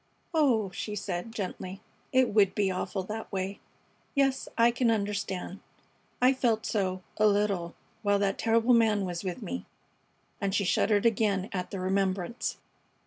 "Oh," she said, gently, "it would be awful that way. Yes, I can understand. I felt so, a little, while that terrible man was with me." And she shuddered again at the remembrance.